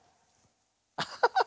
アハハハ！